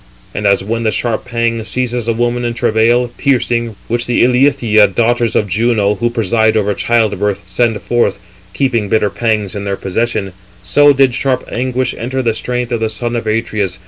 And as when the sharp pang seizes a woman in travail, piercing, which the Ilithyiæ, daughters of Juno, who preside over childbirth, send forth, keeping bitter pangs in their possession; so did sharp anguish enter the strength of the son of Atreus.